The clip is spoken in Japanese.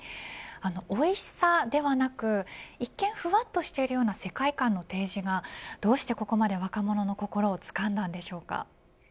おいしさではなく一見ふわっとしているような世界観の提示がどうしてここまで若者の心をつかんだんでしょうか。